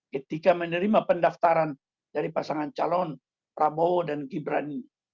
ketika menerima pendaftaran dari pasangan calon prabowo dan gibran